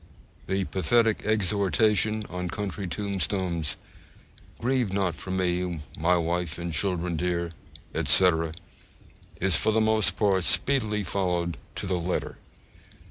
The pathetic exhortation on country tombstones, 'Grieve not for me, my wife and children dear,' etc., is for the most part speedily followed to the letter.